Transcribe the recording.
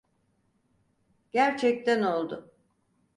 Gerçekten oldu.